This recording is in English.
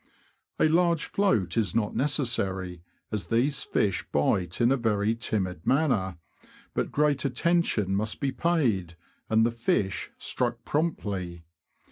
A large float is not necessary, as these fish bite in a very timid manner ; but great attention must be paid, and the fish struck promptly.